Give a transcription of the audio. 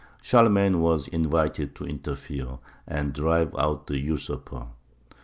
Charlemagne was invited to interfere and drive out the usurper.